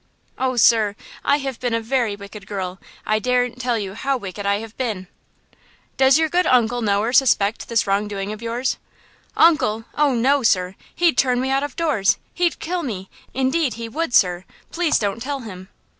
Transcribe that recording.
"Oh, sir, I have been a very wicked girl; I daren't tell you how wicked I have been!" "Does your good uncle know or suspect this wrongdoing of yours?" "Uncle! Oh, no, sir! He'd turn me out of doors! He'd kill me! Indeed he would, sir! Please don't tell him!"